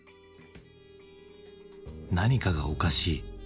何かがおかしい。